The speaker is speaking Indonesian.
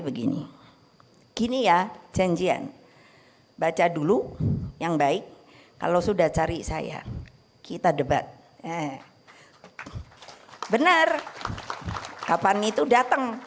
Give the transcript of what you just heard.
begini gini ya janjian baca dulu yang baik kalau sudah cari saya kita debat eh benar kapan itu datang